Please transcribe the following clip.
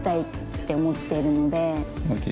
って思っているので。